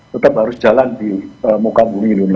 tetap harus jalan di muka bumi indonesia